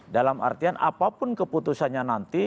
dalam artian apapun keputusannya nanti